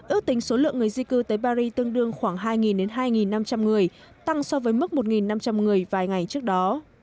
ước tính số lượng người di cư tới paris tương đương khoảng hai đến hai năm trăm linh người tăng so với mức một năm trăm linh người vài ngày trước đó